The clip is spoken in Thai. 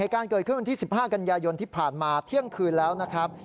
เหตุการณ์เกิดขึ้นกันที่สิบห้ากันยายนที่ผ่านมาเที่ยงคืนแล้วนะครับ